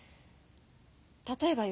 例えばよ。